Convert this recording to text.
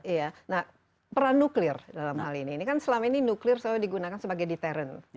iya nah peran nuklir dalam hal ini ini kan selama ini nuklir selalu digunakan sebagai deterent